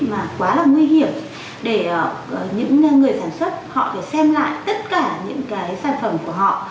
mà quá là nguy hiểm để những người sản xuất họ phải xem lại tất cả những cái sản phẩm của họ